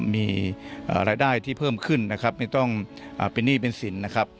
มีรายได้ที่เพิ่มขึ้นนะครับไม่ต้องเป็นหนี้เป็นสินนะครับ